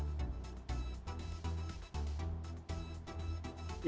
ya jadi itu